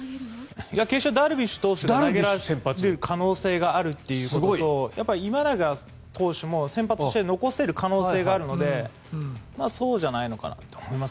決勝はダルビッシュ投手が投げられる可能性があるということと今永投手も先発として残せる可能性があるのでそうじゃないのかなと思います。